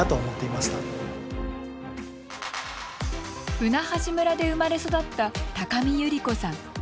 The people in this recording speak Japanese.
舟橋村で生まれ育った高見優莉子さん。